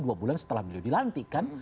dua bulan setelah beliau dilantikan